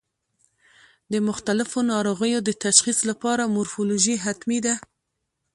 د مختلفو ناروغیو د تشخیص لپاره مورفولوژي حتمي ده.